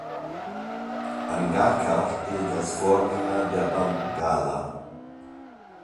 Angarkha gilt als Vorgänger der Bandhgala.